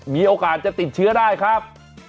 มีโอกาสจะติดเชื้อได้ครับ